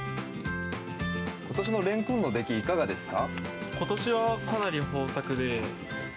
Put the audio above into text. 今年のレンコンの出来いかがですか？